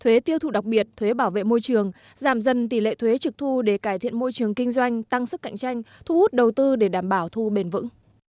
thuế tiêu thụ đặc biệt thuế bảo vệ môi trường giảm dần tỷ lệ thuế trực thu để cải thiện môi trường kinh doanh tăng sức cạnh tranh thu hút đầu tư để đảm bảo thu bền vững